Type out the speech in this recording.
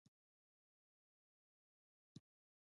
د بریښنا پرچاوي اقتصاد ته څومره زیان رسوي؟